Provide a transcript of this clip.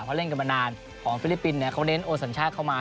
เพราะเล่นกันมานานของฟิลิปปินส์เขาเน้นโอสัญชาติเข้ามา